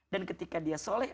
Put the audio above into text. dan ketika dia soleh